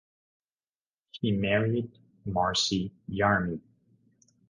He married Marcie Yarmie.